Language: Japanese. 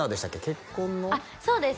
結婚のあっそうです